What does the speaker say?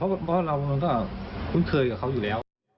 เพราะเรามันก็คุ้นเคยกับเขาอยู่แล้ว